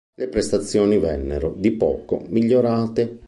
Le prestazioni vennero, di poco, migliorate.